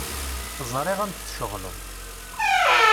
Ẓriɣ amek tceɣleḍ.